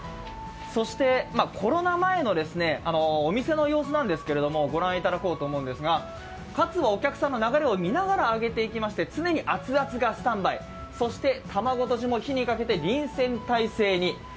そしてコロナ前のお店の様子なんですけれどもご覧いただこうと思うんですが、かつをお客さんの流れを見ながら揚げていきまして、常にアツアツがスタンバイ、そして卵とじも火にかけて臨戦態勢に。